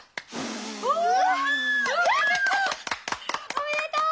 おめでとう！